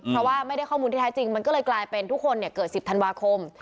เพราะว่าไม่ได้ข้อมูลที่แท้จริงมันก็เลยกลายเป็นทุกคนเกิด๑๐ธันวาคม